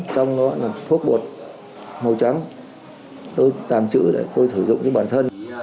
trong đó là thuốc bột màu trắng tôi tàm chữ để tôi sử dụng cho bản thân